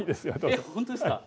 えっ本当ですか？